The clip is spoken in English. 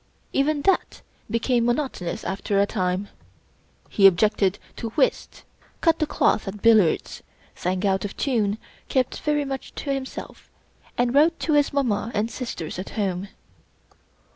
Even that became monotonous after a time. He objected to whist, cut the cloth at billiards, sang out of time, kept very much to himself, and wrote to his Mamma and sisters at Home.